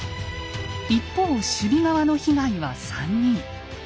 一方守備側の被害は３人。